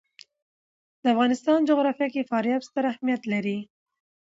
د افغانستان جغرافیه کې فاریاب ستر اهمیت لري.